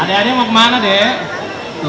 ada ada mau kemana dek